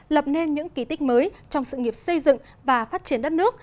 lập nên những kỳ tích mới trong sự nghiệp xây dựng và phát triển đất nước